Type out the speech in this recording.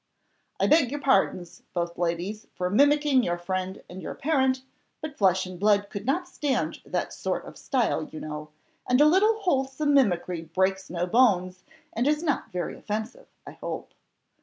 I beg your pardons, both ladies, for mimicking your friend and your parent, but flesh and blood could not stand that sort of style, you know, and a little wholesome mimicry breaks no bones, and is not very offensive, I hope?"